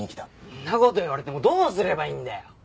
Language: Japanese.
んな事言われてもどうすればいいんだよ！